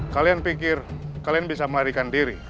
kalian pikir kalian bisa melarikan diri